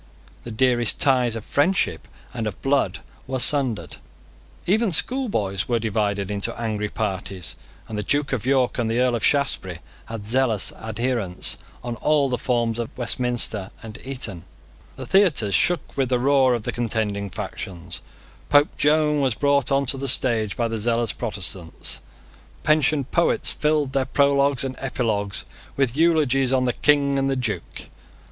The dearest ties of friendship and of blood were sundered. Even schoolboys were divided into angry parties; and the Duke of York and the Earl of Shaftesbury had zealous adherents on all the forms of Westminster and Eton. The theatres shook with the roar of the contending factions. Pope Joan was brought on the stage by the zealous Protestants. Pensioned poets filled their prologues and epilogues with eulogies on the King and the Duke.